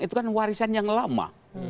itu kan warisan yang lama